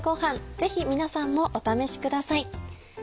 ぜひ皆さんもお試しください。